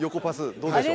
どうでしょう？